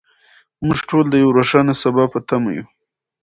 موږ ټول د یو روښانه سبا په تمه یو.